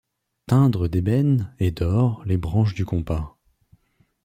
Teindre d'ébène et d'or les branches du compas.